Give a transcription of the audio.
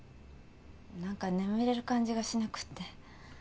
何か眠れる感じがしなくって。